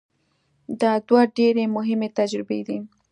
دا دوه ډېرې مهمې تجربې دي.